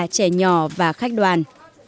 trẻ nhỏ và khách đoàn